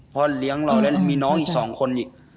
เลี้ยงเราแล้วมีน้องอีก๒คนอีก